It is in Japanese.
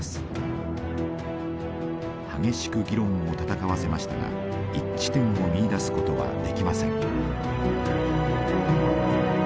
激しく議論を戦わせましたが一致点を見いだすことはできません。